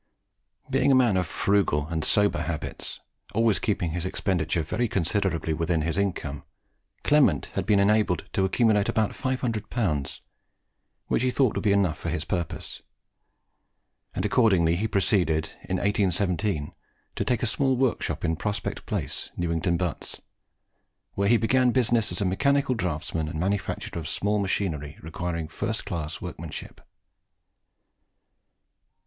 Being a man of frugal and sober habits, always keeping his expenditure very considerably within his income, Clement had been enabled to accumulate about 500L., which he thought would be enough for his purpose; and he accordingly proceeded, in 1817, to take a small workshop in Prospect Place, Newington Butts, where he began business as a mechanical draughtsman and manufacturer of small machinery requiring first class workmanship.